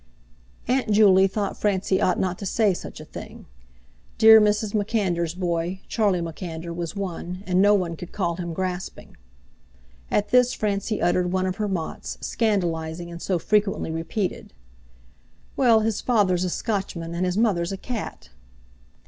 Aunt Juley thought Francie ought not to say such a thing. Dear Mrs. MacAnder's boy, Charlie MacAnder, was one, and no one could call him grasping. At this Francie uttered one of her mots, scandalising, and so frequently repeated: "Well, his father's a Scotchman, and his mother's a cat."